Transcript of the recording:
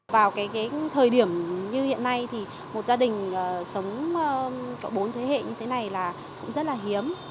vào cái thời điểm như hiện nay thì một gia đình sống có bốn thế hệ như thế này là cũng rất là hiếm